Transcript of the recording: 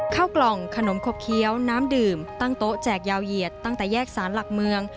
ข้าวกล่องขนมขบเคี้ยวน้ำดื่มตั้งโต๊ะแจกยาวเหยียดตั้งแต่แยกสารหลักเมือง